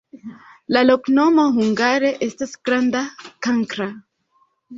La loknomo hungare estas granda-kankra.